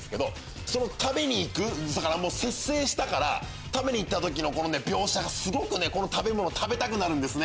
その食べに行く節制したから食べに行った時の描写がすごく食べたくなるんですね